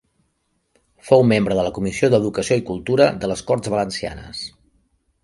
Fou membre de la Comissió d'Educació i Cultura de les Corts Valencianes.